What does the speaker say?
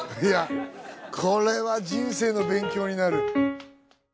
いやこれは人生の勉強になる。